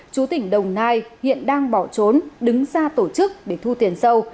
trú tỉnh đồng nai hiện đang bỏ trốn đứng xa tổ chức để thu tiền sâu